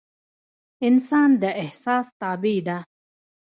انسان د احسان تابع ده